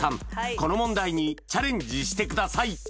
この問題にチャレンジしてください